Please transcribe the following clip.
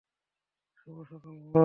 শুভ সকাল, বস!